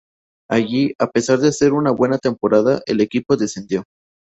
Allí, a pesar de hacer una buena temporada, su equipo descendió.